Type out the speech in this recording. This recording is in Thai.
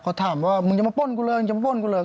เขาถามว่ามึงจะมาป้นกูเลย